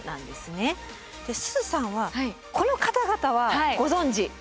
ですずさんはこの方々はご存じ？